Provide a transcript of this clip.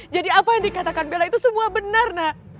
jadi apa yang dikatakan bella itu semua benar nak